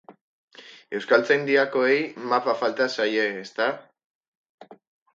Euskaltzaindiakoei mapa falta zaie, ezta?